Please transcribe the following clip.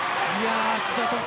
福澤さん